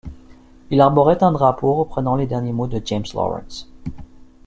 Il arborait un drapeau reprenant les derniers mots de James Lawrence.